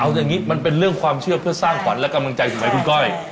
เอาอย่างนี้มันเป็นเรื่องความเชื่อเพื่อสร้างขวัญและกำลังใจสมัยคุณก้อย